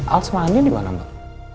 alsa mandin dimana mbak